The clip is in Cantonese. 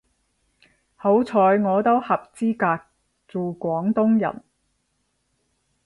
好彩我都合資格做廣東人